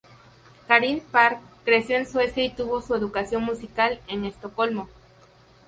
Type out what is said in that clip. Karin Park creció en Suecia y tuvo su educación musical en Estocolmo.